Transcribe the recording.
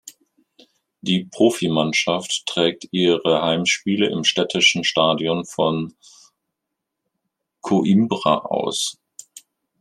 Die Profimannschaft trägt ihre Heimspiele im städtischen Stadion von Coimbra aus.